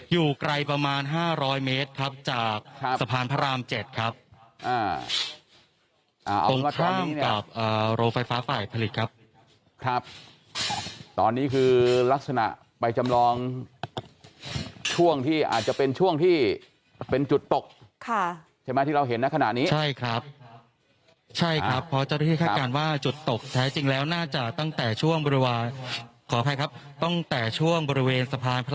อยู่ไกลประมาณ๕๐๐เมตรครับจากสะพานพระราม๗ครับตรงข้ามกับโรงไฟฟ้าฝ่ายผลิตครับครับตอนนี้คือลักษณะไปจำลองช่วงที่อาจจะเป็นช่วงที่เป็นจุดตกใช่ไหมที่เราเห็นในขณะนี้ใช่ครับใช่ครับเพราะเจ้าหน้าที่คาดการณ์ว่าจุดตกแท้จริงแล้วน่าจะตั้งแต่ช่วงบริเวณขออภัยครับตั้งแต่ช่วงบริเวณสะพานพระ